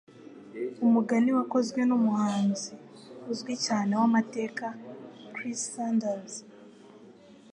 Umugani wakozwe numuhanzi uzwi cyane wamateka Chris Sanders.